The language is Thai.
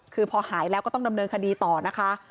คือพอหายแล้วก็ต้องดำเนินคดีต่อนะคะ